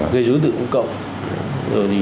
gây chối tự cũng cộng